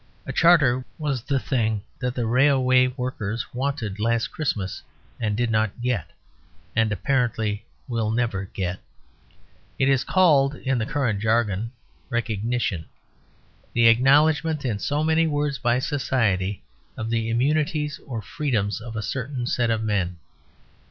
A charter was the thing that the railway workers wanted last Christmas and did not get; and apparently will never get. It is called in the current jargon "recognition"; the acknowledgment in so many words by society of the immunities or freedoms of a certain set of men.